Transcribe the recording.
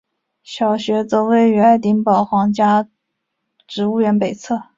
小学则位于爱丁堡皇家植物园北侧。